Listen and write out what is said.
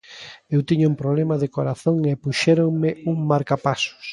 Eu tiña un problema de corazón e puxéronme un marcapasos.